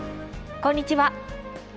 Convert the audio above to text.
こんにちは。